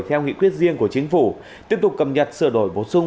theo nghị quyết riêng của chính phủ tiếp tục cập nhật sửa đổi bổ sung